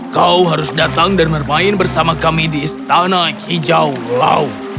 kau harus datang dan bermain bersama kami di istana hijau laut